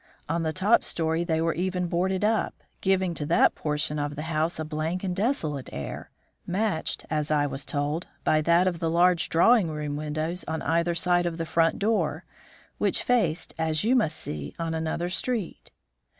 On the top story they were even boarded up, giving to that portion of the house a blank and desolate air, matched, I was told, by that of the large drawing room windows on either side of the front door, which faced, as you must see, on another street.